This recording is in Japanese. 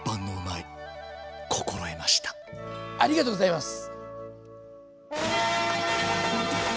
ドッキーありがとうございます。